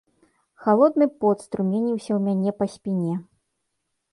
Халодны пот струменіўся ў мяне па спіне.